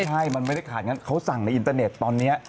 ใช่มันไม่ได้ขาดงั้นเขาสั่งในอินเตอร์เน็ตตอนนี้